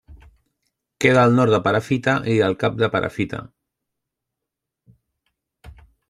Queda al nord de Perafita i del Cap de Perafita.